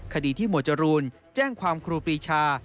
คดีที่หมวดจรูนแจ้งความครูปรีชา